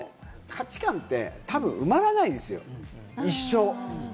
価値観ってたぶん埋まらないですよ、一生。